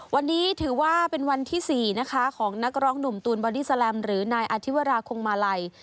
วันนี้ถือว่าเป็นวันที่๔นะคะของนักร้องหนุ่มตูนบอดี้แลมหรือนายอธิวราคงมาลัย